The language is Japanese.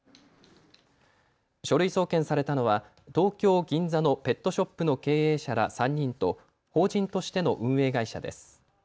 書類送検されたのは東京銀座のペットショップの経営者ら３人と法人としての運営会社です。